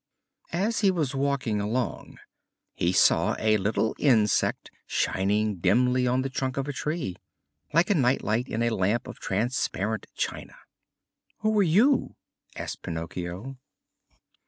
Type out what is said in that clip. As he was walking along he saw a little insect shining dimly on the trunk of a tree, like a night light in a lamp of transparent china. "Who are you?" asked Pinocchio.